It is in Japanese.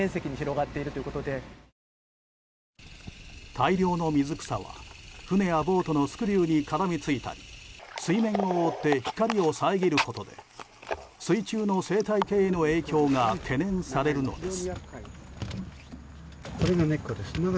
大量の水草は船やボートのスクリューに絡みついたり水面を覆って光を遮ることで水中の生態系への影響が懸念されるのです。